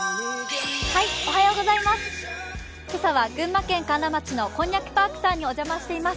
今朝は群馬県甘楽町のこんにゃくパークさんにお邪魔してます。